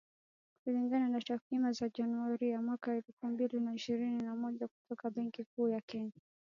Kulingana na takwimu za Januari mwaka elfu mbili na ishirini na mbili kutoka Benki Kuu ya Uganda